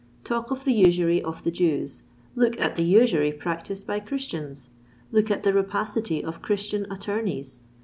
Talk of the usury of the Jews—look at the usury practised by Christians! Look at the rapacity of Christian attorneys!